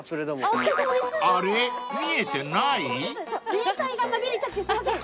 迷彩が紛れちゃってすいません。